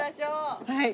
はい。